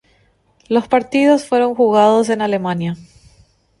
Los partidos fueron jugados en Alemania.